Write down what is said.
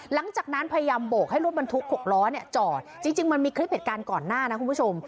หลังจากนั้นพยายามโบกให้รถบรรทุก๖ล้อเนี่ยจอดจริงมันมีคลิปเหตุการณ์ก่อนหน้านะคุณผู้ชม